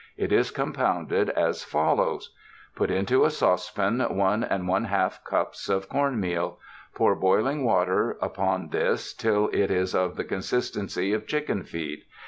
It is com pounded as follows: Put into a saucepan one and one half cups of corn meal. Pour boiling water upon this till it is of the consistency of chicken feed.